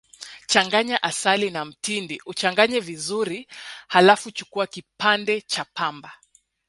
Changanya asali na mtindi uchanganyike vizuri Halafu chukua kipande cha pamba